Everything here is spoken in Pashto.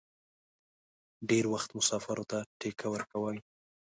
ډېر وخت مسافرو ته ټکله ورکوي.